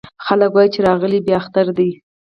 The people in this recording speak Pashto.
خلک وايې چې راغلی بيا اختر دی